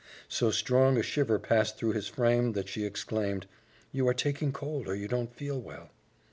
So strong a shiver passed through his frame that she exclaimed, "You are taking cold or you don't feel well."